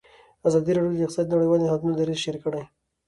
ازادي راډیو د اقتصاد د نړیوالو نهادونو دریځ شریک کړی.